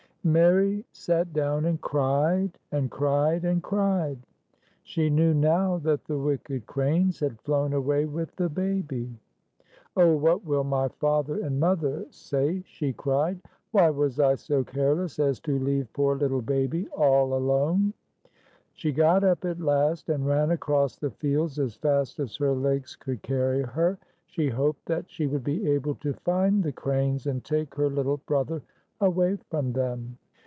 Mary sat down and cried, and cried, and cried. She knew now that the wicked cranes had flown away with the baby. "Oh, what will my father and mother say?" she cried. "Why was I so careless as to leave poor little Baby all alone ?" She got up at last, and ran across the fields as fast as her legs could carry her. She hoped that she would be able to find the cranes, and take her little brother away from them.